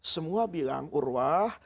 semua bilang urwah